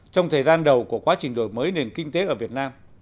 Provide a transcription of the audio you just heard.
trong thời gian đầu của quá trình đổi mới nền kinh tế ở việt nam